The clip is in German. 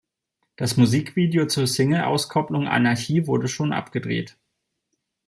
Das Musikvideo zur Single Auskopplung "Anarchie" wurde schon abgedreht.